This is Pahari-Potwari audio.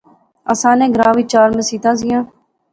اساں نے گراں وچ چار مسیتاں زیاں